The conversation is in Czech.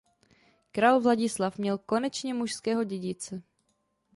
Král Vladislav měl konečně mužského dědice.